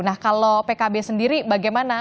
nah kalau pkb sendiri bagaimana